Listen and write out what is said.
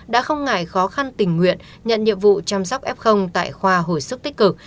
đã không ngại khó khăn tình nguyện nhận nhiệm vụ chăm sóc f tại khoa hồi sức tích cực